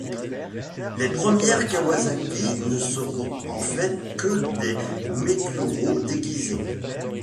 Les premières Kawasaki ne seront en fait que des Meguro déguisées.